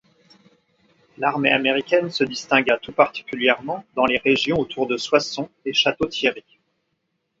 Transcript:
L'armée américaine se distingua tout particulièrement dans les régions autour de Soissons et Château-Thierry.